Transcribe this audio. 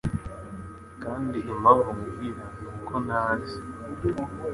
kandi impamvu nkubwira ni uko ntazi